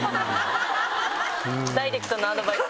ダイレクトなアドバイス。